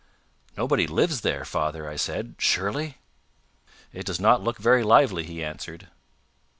"Nobody lives there, father," I said, "surely?" "It does not look very lively," he answered.